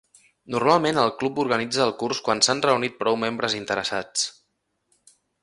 Normalment el club organitza el curs quan s'han reunit prou membres interessats.